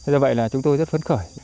do vậy là chúng tôi rất phấn khởi